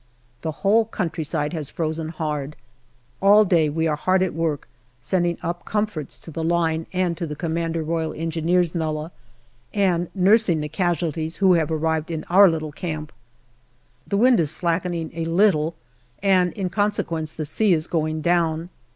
The whole country side has frozen hard. All day we are hard at work sending up comforts to the line and to the C.R.E. nullah, and nursing the casualties who have arrived in our little camp. The wind is slackening a little, and in consequence the sea is going down.